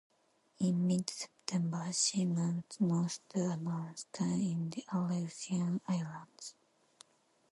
In mid-September, she moved north to Unalaska in the Aleutian Islands.